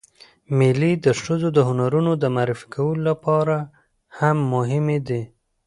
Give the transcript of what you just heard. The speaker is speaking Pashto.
مېلې د ښځو د هنرونو د معرفي کولو له پاره هم مهمې دي.